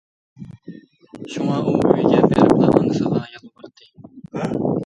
شۇڭا ئۇ ئۆيگە بېرىپلا ئانىسىغا يالۋۇردى.